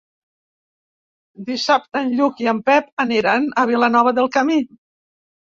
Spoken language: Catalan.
Dissabte en Lluc i en Pep aniran a Vilanova del Camí.